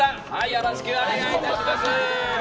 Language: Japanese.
よろしくお願いします。